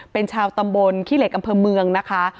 เป็นชาวตำบลขี้เหล็กอำเภอเมืองนะคะ